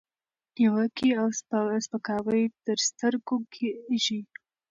نیوکې او سپکاوي تر سترګو کېږي،